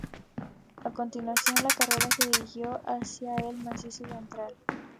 A continuación la carrera se dirigió hacia el Macizo Central.